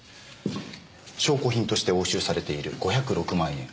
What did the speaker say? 証拠品として押収されている５０６万円。